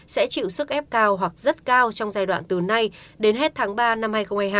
sẽ chịu sức ép cao hoặc rất cao trong giai đoạn từ nay đến hết tháng ba năm hai nghìn hai mươi hai